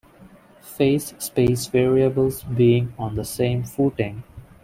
Phase space variables being on the same footing.